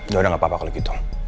ya udah gak apa apa kalau gitu